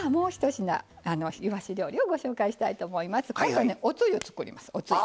今度はねおつゆ作りますおつゆ。